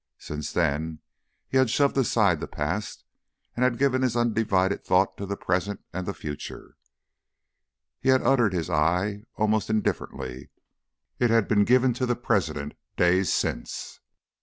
Since then, he had shoved aside the past, and had given his undivided thought to the present and the future. He had uttered his "aye" almost indifferently; it had been given to the President days since.